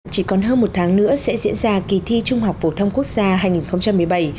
chỉ còn hơn một tháng nữa sẽ diễn ra kỳ thi trung học phổ thông quốc gia hai nghìn một mươi bảy